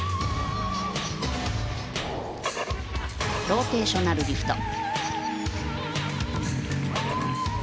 ローテーショナルリフト。